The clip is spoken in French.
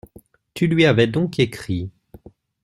Tu lui avais donc écrit ?…